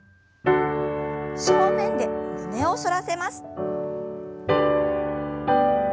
正面で胸を反らせます。